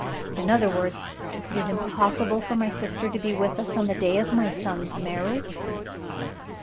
"In other words, it is impossible for my sister to be with us, on the day of my son's marriage?"